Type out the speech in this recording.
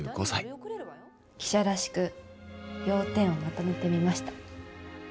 記者らしく要点をまとめてみました。